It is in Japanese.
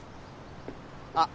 あっ！